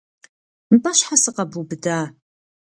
Нтӏэ щхьэ сыкъэбубыда?